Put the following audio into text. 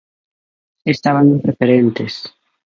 Estaban en preferentes.